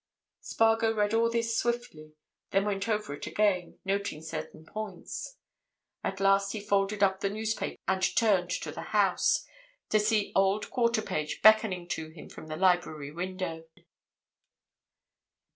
Spargo read all this swiftly; then went over it again, noting certain points in it. At last he folded up the newspaper and turned to the house—to see old Quarterpage beckoning to him from the library window.